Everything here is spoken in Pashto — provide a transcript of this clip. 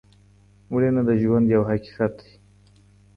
مړینه د ژوند یو حقیقت دی.